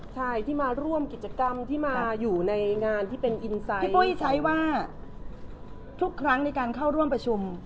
ใช่ที่มาร่วมกิจกรรมที่มาอยู่ในงานที่เป็นอินไซด์พี่ปุ้ยใช้ว่าทุกครั้งในการเข้าร่วมประชุม